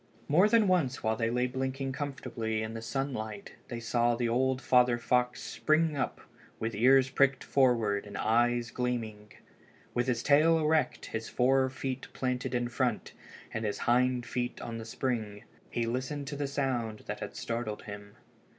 More than once while they lay blinking comfortably in the sunlight they saw the old father fox spring up with his ears pricked forward and his eyes gleaming. With his tail erect, his fore feet planted in front, and his hind feet on the spring, he listened to the sound that had startled him.